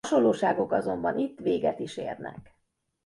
A hasonlóságok azonban itt véget is érnek.